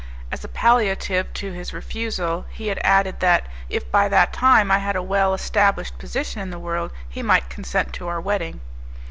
As a palliative to his refusal he had added, that, if by that time I had a well established position in the world, he might consent to our wedding.